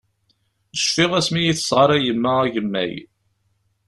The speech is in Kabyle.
Cfiɣ asmi i yi-tesɣaṛay yemma agemmay.